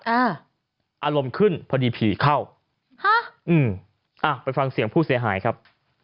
อารมณ์ขึ้นพอดีผีเข้าฮะอืมอ่าไปฟังเสียงผู้เสียหายครับ